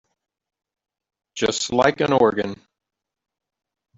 Just like an organ.